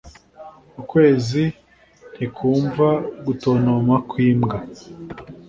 ukwezi ntikwumva gutontoma kw'imbwa